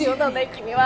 君は！